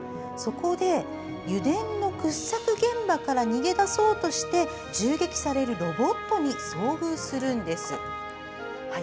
そこで、油田の掘削現場から逃げ出そうとして、銃撃されるロボットに遭遇するんです。